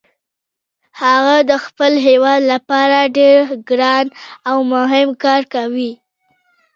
هغه د خپل هیواد لپاره ډیر ګران او مهم کار کوي